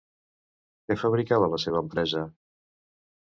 Què fabricava la seva empresa?